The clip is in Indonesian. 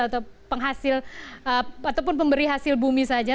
ataupun pemberi hasil bumi saja